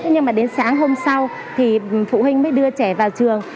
nhưng mà đến sáng hôm sau thì phụ huynh mới đưa trẻ vào trường